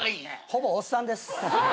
ほぼおっさんです。